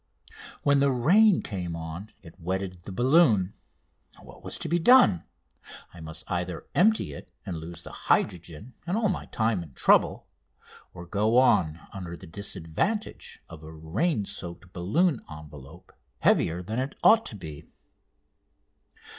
When the rain came on, it wetted the balloon. What was to be done? I must either empty it and lose the hydrogen and all my time and trouble, or go on under the disadvantage of a rain soaked balloon envelope, heavier than it ought to be.